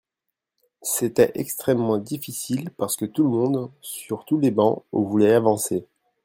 C’était extrêmement difficile, parce que tout le monde, sur tous les bancs, voulait avancer.